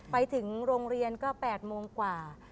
ไปถึงโรงเรียนก็๘โมงกว่า